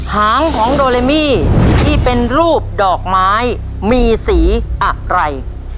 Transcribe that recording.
หางของโดเรมี่ที่เป็นรูปดอกไม้มีสีอะไร